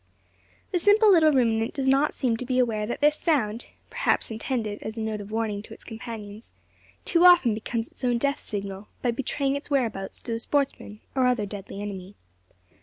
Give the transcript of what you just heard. The simple little ruminant does not seem to be aware that this sound perhaps intended as a note of warning to its companions too often becomes its own death signal, by betraying its whereabouts to the sportsman or other deadly enemy.